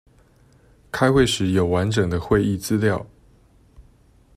開會時有完整的會議資料